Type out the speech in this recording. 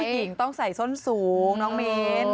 ผู้หญิงต้องใส่ส้นสูงน้องเมน